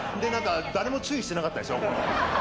誰も注意してなかったでしょ。